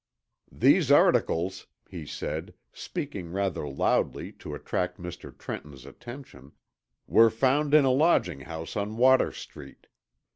"These articles," he said, speaking rather loudly to attract Mr. Trenton's attention, "were found in a lodging house on Water Street.